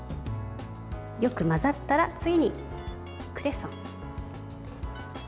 よく混ざったら、次にクレソン。